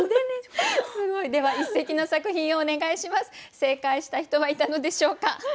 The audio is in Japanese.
正解した人はいたのでしょうか。